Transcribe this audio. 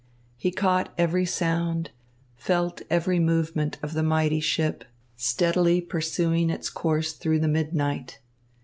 He caught every sound, felt every movement, of the mighty ship, steadily pursuing its course through the midnight.